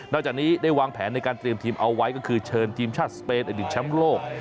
จากนี้ได้วางแผนในการเตรียมทีมเอาไว้ก็คือเชิญทีมชาติสเปนอดีตแชมป์โลก